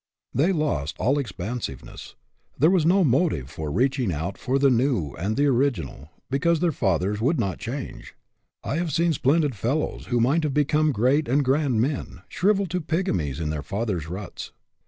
They lost all expan siveness. There was no motive for reach ing out for the new and the original, because their fathers would not change. I have seen splendid fellows, who might have become great and grand men, shrivel to pygmies in their fathers' ruts.